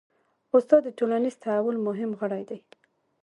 استاد د ټولنیز تحول مهم غړی دی.